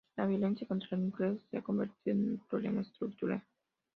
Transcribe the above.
La violencia contra las mujeres se ha convertido en un problema estructural.